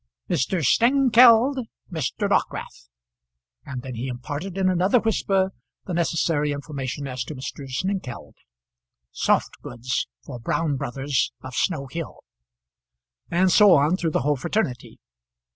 Mr. Snengkeld, Mr. Dockwrath;" and then he imparted in another whisper the necessary information as to Mr. Snengkeld. "Soft goods, for Brown Brothers, of Snow Hill," and so on through the whole fraternity.